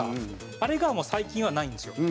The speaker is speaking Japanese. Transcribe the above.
あれがもう最近はないんですよ。